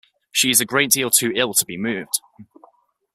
She is a great deal too ill to be moved.